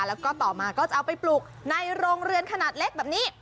แล้วก็ต่อมาก็จะเอาไปปลูกในโรงเรือนขนาดเล็กแบบนี้